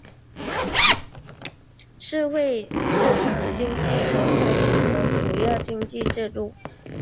社会市场经济所采取的主要经济制度。